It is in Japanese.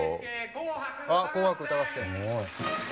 あっ「紅白歌合戦」。